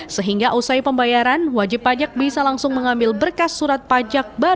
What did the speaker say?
sehingga usai pembayaran wajib pajak bisa langsung mengambil berkas surat pajak